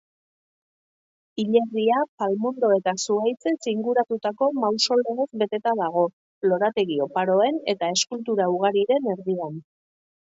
Hilerria palmondo eta zuhaitzez inguratutako mausoleoz betea dago, lorategi oparoen eta eskultura ugariren erdian.